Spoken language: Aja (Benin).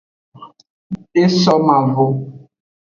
E so mavo.